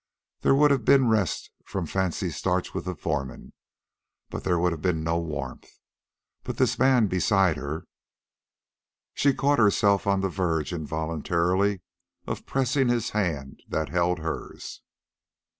There would have been rest from fancy starch with the foreman, but there would have been no warmth. But this man beside her.... She caught herself on the verge involuntarily of pressing his hand that held hers.